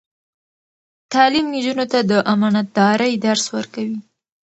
تعلیم نجونو ته د امانتدارۍ درس ورکوي.